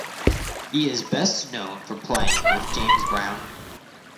He is best known for playing with James Brown.